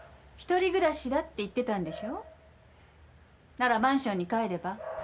ならマンションに帰れば。